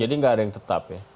jadi nggak ada yang tetap ya